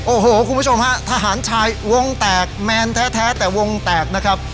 โอ้โหคุณผู้ชมฮะทหารชายวงแตกแมนแท้นะครับ